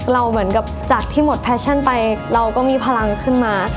เหมือนกับจากที่หมดแฟชั่นไปเราก็มีพลังขึ้นมา